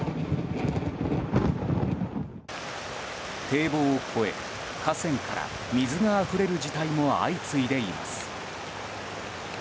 堤防を越え、河川から水があふれる事態も相次いでいます。